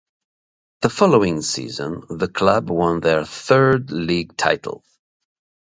The following season the club won their third league title.